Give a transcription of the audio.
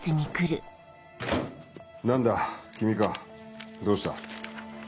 何だ君かどうした？